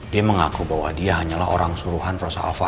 dia mengaku bahwa dia hanyalah orang suruhan perusahaan fahri